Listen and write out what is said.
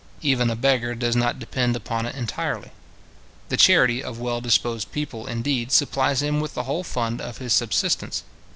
Even a beggar does not depend upon it entirely. The charity of well disposed people, indeed, supplies him with the whole fund of his subsistence.